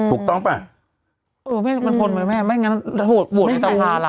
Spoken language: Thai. ถูกต้องป่ะอือไม่จงมันพ้นไปแม่ไม่งั้นโหดบวชที่เตลกนหนามละ